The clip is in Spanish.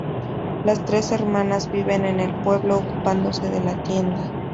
Las tres hermanas viven en el pueblo ocupándose de la tienda.